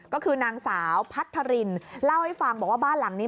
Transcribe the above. ก็คือนางสาวพัทธรินเล่าให้ฟังบอกว่าบ้านหลังนี้